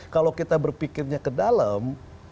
kalau kita berpikirnya ke dalam